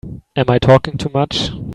Am I talking too much?